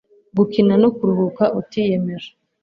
gukina no kuruhuka utiyemeje